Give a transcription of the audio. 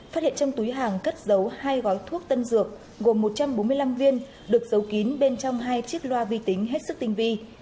phát hiện trong túi hàng cất giấu hai gói thuốc tân dược gồm một trăm bốn mươi năm viên được giấu kín bên trong hai chiếc loa vi tính hết sức tinh vi